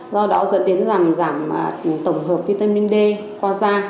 do đó dẫn đến làm giảm tổng hợp vitamin d qua da